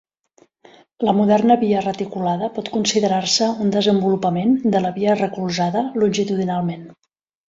La moderna via reticulada pot considerar-se un desenvolupament de la via recolzada longitudinalment.